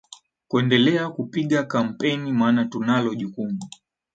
kuendelea kupiga kampeni maana tunalo jukumu